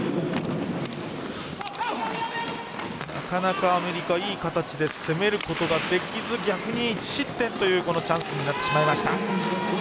なかなか、アメリカいい形で攻めることができず逆に１失点というこのチャンスになってしまいました。